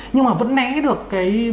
nhưng mà vẫn né được cái